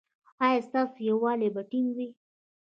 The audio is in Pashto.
ایا ستاسو یووالي به ټینګ وي؟